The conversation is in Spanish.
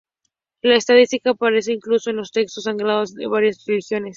La estadística aparece incluso en los textos sagrados de varias religiones.